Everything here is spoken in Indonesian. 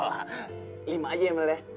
oh lima aja ya mil deh